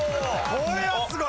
これはすごい！